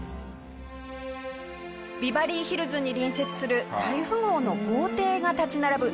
ビバリーヒルズに隣接する大富豪の豪邸が立ち並ぶ